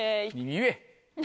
言え。